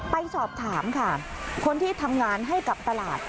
ไปสอบถามค่ะคนที่ทำงานให้กับตลาด